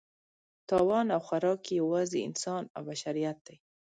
تاوان او خوراک یې یوازې انسان او بشریت دی.